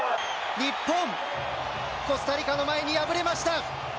日本、コスタリカの前に敗れました。